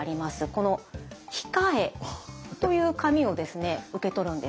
この控えという紙を受け取るんです。